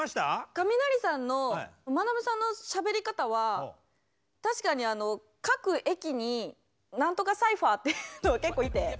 カミナリさんのまなぶさんのしゃべり方は確かに各駅になんとかサイファーっていうのが結構いて。